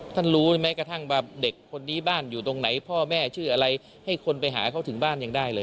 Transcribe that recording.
ท่านรู้แม้กระทั่งว่าเด็กคนนี้บ้านอยู่ตรงไหนพ่อแม่ชื่ออะไรให้คนไปหาเขาถึงบ้านยังได้เลย